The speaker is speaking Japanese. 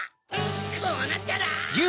こうなったら！